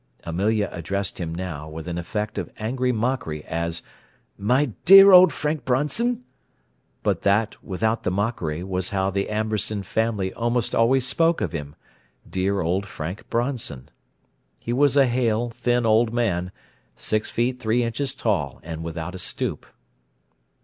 Amelia addressed him now, with an effect of angry mockery, as "my dear old Frank Bronson"; but that (without the mockery) was how the Amberson family almost always spoke of him: "dear old Frank Bronson." He was a hale, thin old man, six feet three inches tall, and without a stoop.